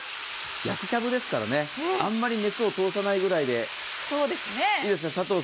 焼きしゃぶですから、あまり熱を通さないぐらいでいいですね。